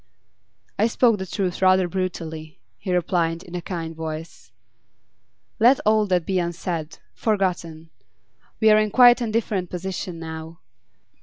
'I spoke the truth rather brutally,' he replied, in a kind voice. 'Let all that be unsaid, forgotten. We are in quite a different position now.